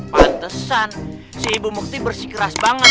pantesan si ibu mekti bersih keras banget